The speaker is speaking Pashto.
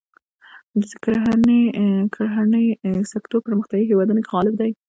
د کرهڼې سکتور پرمختیايي هېوادونو کې غالب دی.